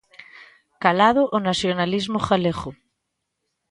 Calado o nacionalismo galego.